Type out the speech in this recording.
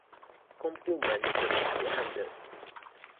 公部門怎麼寫案的